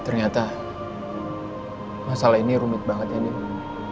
ternyata masalah ini rumit banget ya ndiny